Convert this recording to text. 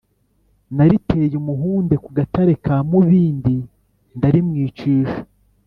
Naliteye umuhunde ku Gatare ka Mubindi, ndarimwicisha.